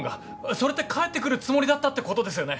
それって帰って来るつもりだったってことですよね？